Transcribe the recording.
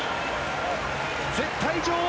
絶対女王